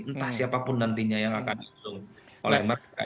entah siapapun nantinya yang akan diusung oleh mereka